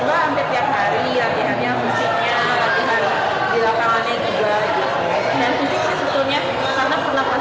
dan fisiknya sebetulnya karena pernafasannya harus kuat